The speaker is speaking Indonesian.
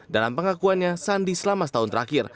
dalam pengakuannya sandi selama setahun terakhir